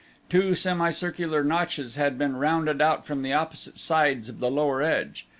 Two semicircular notches had been rounded out from opposite sides of the lower edge.